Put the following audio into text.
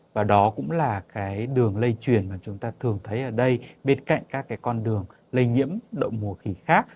và đó cũng là cái đường lây truyền mà chúng ta thường thấy ở đây bên cạnh các cái con đường lây nhiễm đậu mùa khỉ khác